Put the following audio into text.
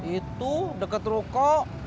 itu deket ruko